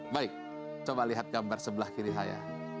baik coba lihat gambar sebelah kiri saya